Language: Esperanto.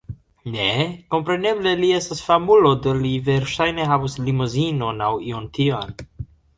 Ne... kompreneble, li estas famulo do li verŝajne havus limozinon aŭ ion tian